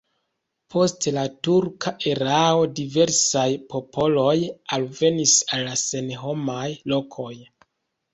Post la turka erao diversaj popoloj alvenis al la senhomaj lokoj.